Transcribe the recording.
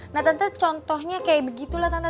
nah tante contohnya kayak begitulah tante